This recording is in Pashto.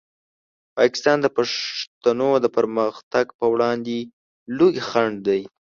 پاکستان د پښتنو د پرمختګ په وړاندې لوی خنډ دی.